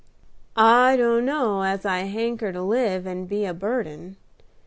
"I don'no as I hanker to live, and be a burden.